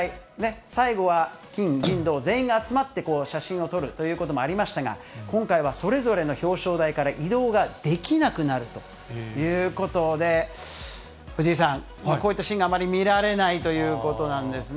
最後は金銀銅、全員が集まって、写真を撮るということもありましたが、今回はそれぞれの表彰台から移動ができなくなるということで、藤井さん、こういったシーンがあまり見られないということなんですね。